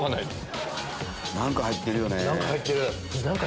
何か入ってるよね。